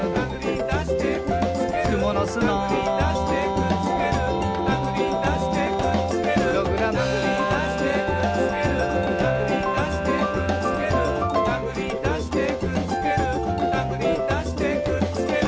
「くものすの」「たぐりだしてくっつける」「たぐりだしてくっつける」「プログラム」「たぐりだしてくっつける」「たぐりだしてくっつける」「たぐりだしてくっつけるたぐりだしてくっつける」